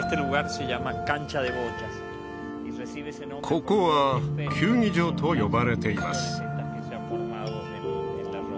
ここは球技場と呼ばれています